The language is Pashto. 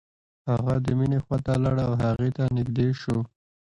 هغه د مينې خواته لاړ او هغې ته نږدې شو.